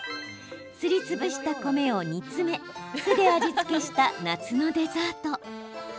すりつぶした米を煮詰め酢で味付けした夏のデザート。